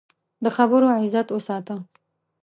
د خبرو عزت وساته